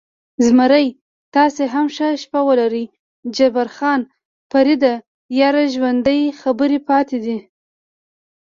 زمري: تاسې هم ښه شپه ولرئ، جبار خان: فرېډه، یار ژوندی، خبرې پاتې.